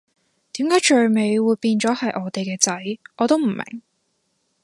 點解最尾會變咗係我哋嘅仔，我都唔明